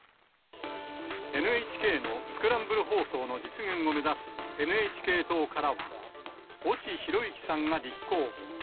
ＮＨＫのスクランブル放送の実現を目指すＮＨＫ党からは、越智寛之さんが立候補。